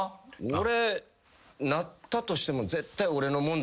俺なったとしても絶対。